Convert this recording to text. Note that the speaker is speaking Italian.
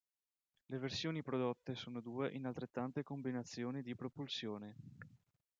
Le versioni prodotte sono due in altrettante combinazioni di propulsione.